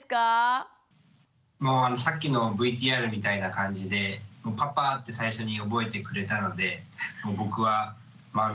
さっきのＶＴＲみたいな感じでパパって最初に覚えてくれたので僕は満足してます。